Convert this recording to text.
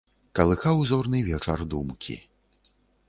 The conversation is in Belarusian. Калыхаў зорны вечар думкі.